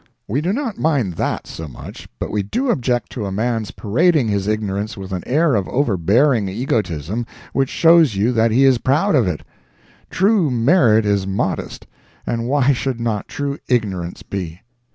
We do not mind that, so much, but we do object to a man's parading his ignorance with an air of overbearing egotism which shows you that he is proud of it. True merit is modest, and why should not true ignorance be?